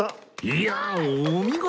いやあお見事！